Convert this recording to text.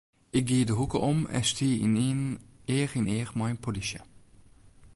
Ik gie de hoeke om en stie ynienen each yn each mei in polysje.